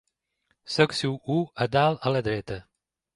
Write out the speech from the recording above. Secció u - A dalt a la dreta.